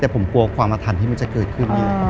แต่ผมกลัวความอาถรรพ์ที่มันจะเกิดขึ้น